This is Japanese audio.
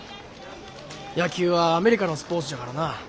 野球はアメリカのスポーツじゃからな。